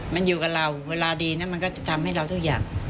มันอยู่กับเราเวลาดีนั้นมันก็จะทำให้เราทุกอย่าง